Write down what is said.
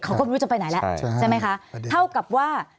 เขาก็ไม่รู้จะไปไหนแล้วใช่ไหมคะเท่ากับว่า